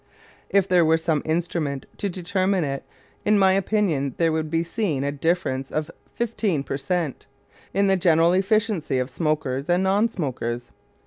If there were some instrument to determine it, in my opinion there would be seen a difference of fifteen per cent. in the general efficiency of smokers and non smokers.